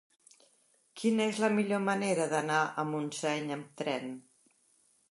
Quina és la millor manera d'anar a Montseny amb tren?